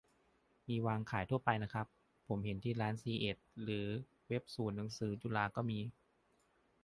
มีวางขายทั่วไปนะครับ ผมเห็นที่ร้านซีเอ็ด หรือเว็บศูนย์หนังสือจุฬาก็มี